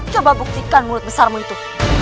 coba buktikan mulut besarmu itu